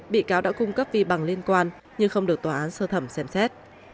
bị cáo đã cung cấp vi bằng liên quan nhưng không được tòa án sơ thẩm xem xét